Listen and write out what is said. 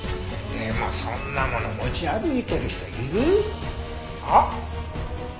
でもそんなもの持ち歩いてる人いる？あっ。